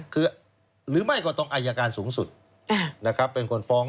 คือหรือไม่ก็ต้องอายการสูงสุดนะครับเป็นคนฟ้อง